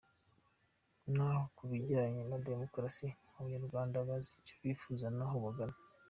Naho ku bijyanye na demokarasi Abanyarwanda bazi icyo bifuza n’aho bagana”.